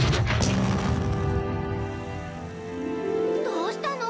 どうしたの？